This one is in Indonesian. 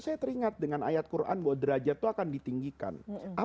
saya teringat dengan ayat quran bahwa derajat itu akan ditinggikan